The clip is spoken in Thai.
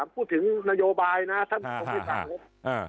พูดถึงนโยบายนะท่านผู้จัดการ